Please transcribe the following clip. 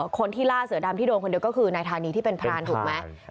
คนที่ล่าเสือดำที่โดนคนเดียวก็คือนายธานีที่เป็นพรานถูกไหม